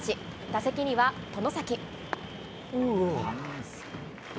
打席には外崎。